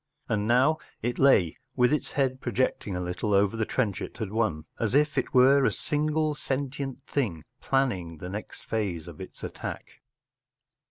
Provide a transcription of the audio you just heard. And now it lay with its head projecting a little over the trench it had won, as if it were a single sentient thing planning the next phase of its attack.